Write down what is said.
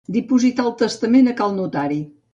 Dipositar el testament a cal notari.